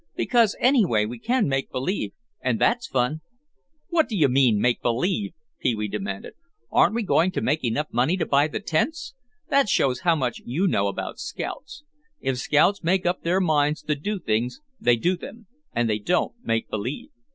Because anyway we can make believe, and that's fun." "What do you mean, make believe?" Pee wee demanded. "Aren't we going to make enough to buy the tents? That shows how much you know about scouts. If scouts make up their minds to do things they do them—and they don't make believe.